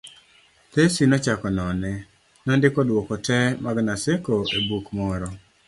Tesi nochako none, nondiko dwoko te mag Naseko e buk moro